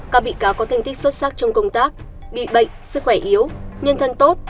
các bị cáo có thành tích xuất sắc trong công tác bị bệnh sức khỏe yếu nhân thân tốt